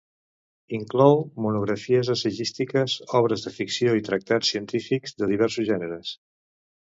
Inclou monografies assagístiques, obres de ficció i tractats científics de diversos gèneres.